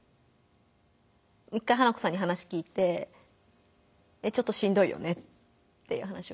１回花子さんに話聞いて「えっちょっとしんどいよね」っていう話を聞いて。